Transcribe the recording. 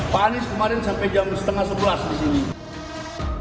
pak anies kemarin sampai jam setengah sebelas di sini